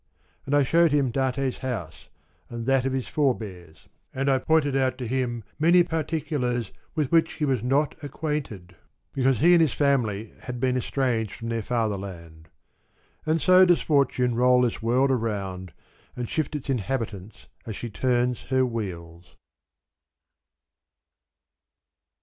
And I shewed him Dante's house, and that of his forebears, and I pointed out to him many particulars with which he 137 • I was not acquainted, because he and his family had been estranged from their fatherland. And so does Fortune roll this world around, and shift its inhabitants as she turns her wheels.